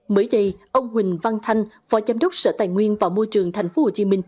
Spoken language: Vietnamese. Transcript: mới đây ông huỳnh văn thanh phó giám đốc sở tài nguyên và môi trường tp hcm